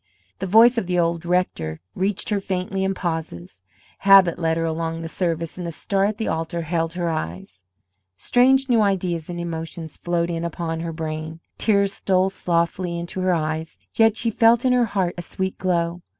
The voice of the old rector reached her faintly in pauses; habit led her along the service, and the star at the altar held her eyes. Strange new ideas and emotions flowed in upon her brain. Tears stole softly into her eyes, yet she felt in her heart a sweet glow.